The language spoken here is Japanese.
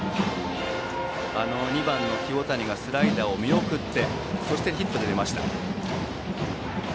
２番の清谷がスライダーを見送ってそしてヒットで出ました。